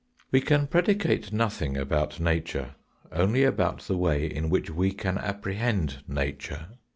We can predicate nothing about nature, only about the way in which we can apprehend nature.